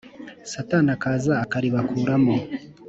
Satani akaza akaribakuramo